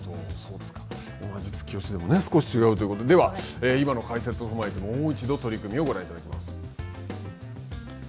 同じ突き押しでも少し違うということで、では、今の解説を踏まえて、もう一度取組をご覧いただきます。